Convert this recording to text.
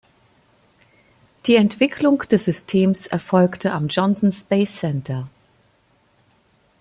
Die Entwicklung des Systems erfolgte am Johnson Space Center.